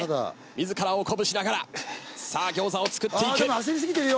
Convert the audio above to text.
自らを鼓舞しながら餃子を作っていく。